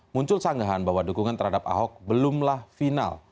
muncul sanggahan bahwa dukungan terhadap ahok belumlah final